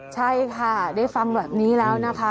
ใช่ค่ะได้ฟังแบบนี้แล้วนะคะ